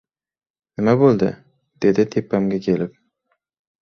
— Nima bo‘ldi? — dedi tepamga kelib.